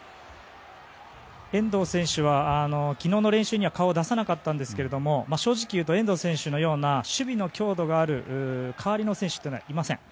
遠藤選手は昨日の練習には顔を出さなかったんですが正直言うと遠藤選手のような守備の強度がある代わりの選手というのはいません。